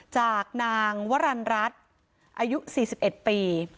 จากนางวรรรณรัฐอายุสี่สิบเอ็ดปี